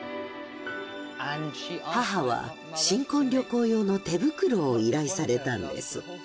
母は新婚旅行用の手袋を依頼されたんです。